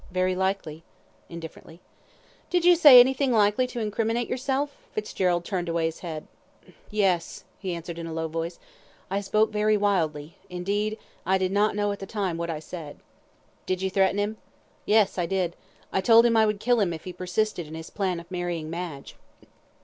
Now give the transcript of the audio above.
"Very likely," indifferently. "Did you say anything likely to incriminate yourself?" Fitzgerald turned away his head. "Yes," he answered in a low voice, "I spoke very wildly indeed, I did not know at the time what I said." "Did you threaten him?" "Yes, I did. I told him I would kill him if he persisted in his plan of marrying Madge."